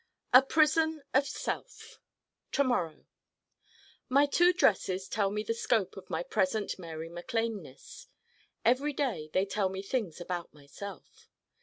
A prison of self To morrow My Two Dresses tell me the scope of my present Mary Mac Lane ness. Every day they tell me things about myself.